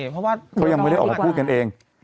เขายังไม่ได้ออกมาพูดกันเอง